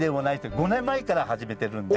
５年前から始めてるんで。